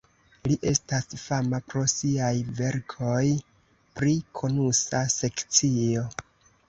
Li estas fama pro siaj verkoj pri konusa sekcio.